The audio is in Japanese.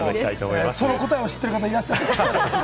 その答えを知ってる方がいらっしゃいますから。